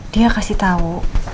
dia kasih tahu